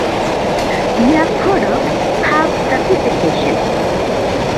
Their products have certification.